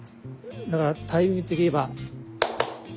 だからタイミング的にいえば。